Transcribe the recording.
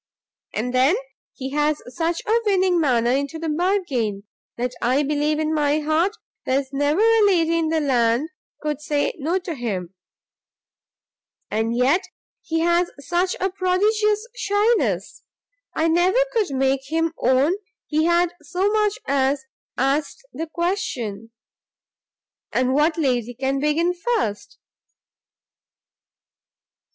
And then he has such a winning manner into the bargain, that I believe in my heart there's never a lady in the land could say no to him. And yet he has such a prodigious shyness, I never could make him own he had so much as asked the question. And what lady can begin first?"